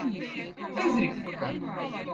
Õzrikko